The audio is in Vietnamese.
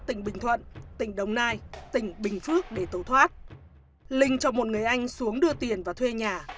tỉnh bình thuận tỉnh đồng nai tỉnh bình phước để tẩu thoát linh cho một người anh xuống đưa tiền và thuê nhà